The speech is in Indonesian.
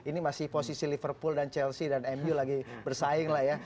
ini masih posisi liverpool dan chelsea dan mu lagi bersaing lah ya